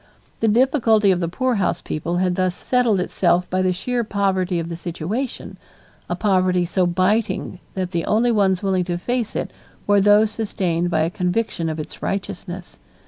The difficulty of the poorhouse people had thus settled itself by the sheer poverty of the situation, a poverty so biting that the only ones willing to face it were those sustained by a conviction of its righteousness.